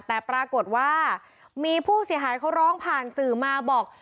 แต่ปรากฏว่ามีผู้เสียหายเขาร้องผ่านสื่อมาบอก